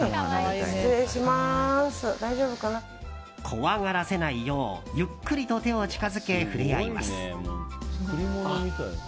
怖がらせないようゆっくりと手を近づけ触れ合います。